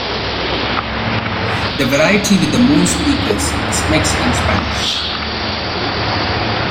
The variety with the most speakers is Mexican Spanish.